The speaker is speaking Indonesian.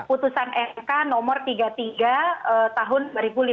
putusan mk nomor tiga puluh tiga tahun dua ribu lima belas